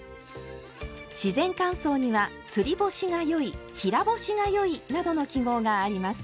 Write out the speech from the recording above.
自然乾燥には「つり干しがよい」「平干しがよい」などの記号があります。